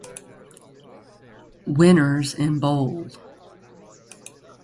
Winners in bold